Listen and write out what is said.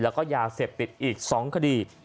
แล้วก็ยาเสพติดอีก๒คดี